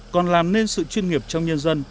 còn làm nên sự chuyên nghiệp trong nhân dân